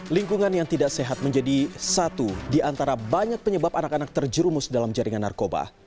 lingkungan yang tidak sehat menjadi satu di antara banyak penyebab anak anak terjerumus dalam jaringan narkoba